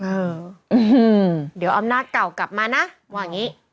อื้อฮือเดี๋ยวอำนาจเก่ากลับมานะว่างนี้